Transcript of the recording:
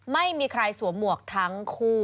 ไม่มีใครสวมหมวกทั้งคู่